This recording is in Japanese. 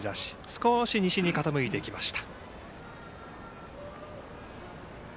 少し西に傾いてきました。